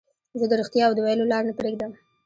زه د رښتیاوو د ویلو لار نه پريږدم.